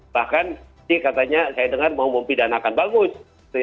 bahkan ini katanya saya dengar mau mempidanakan bagus